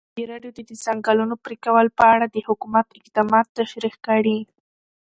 ازادي راډیو د د ځنګلونو پرېکول په اړه د حکومت اقدامات تشریح کړي.